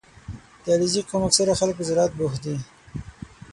• د علیزي قوم اکثره خلک په زراعت بوخت دي.